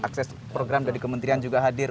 akses program dari kementerian juga hadir